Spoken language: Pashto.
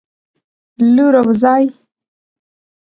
لور او زوى